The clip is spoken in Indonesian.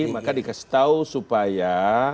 maka dikasih tau supaya